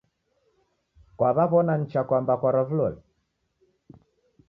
Kwaw'aw'ona nicha kwamba kwarwa vilole?